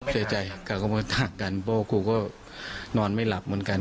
เสียใจกับคุณคุณท่านกันเพราะว่าครูก็นอนไม่หลับเหมือนกัน